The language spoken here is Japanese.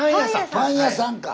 パン屋さんか。